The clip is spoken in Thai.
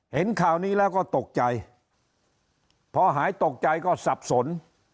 เห็นข่าวนี้แล้วก็ตกใจพอหายตกใจก็สับสน